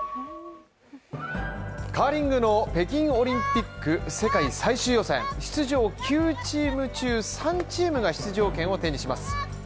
カーリングの北京オリンピック世界最終予選出場９チーム中３チームが出場権を手にします。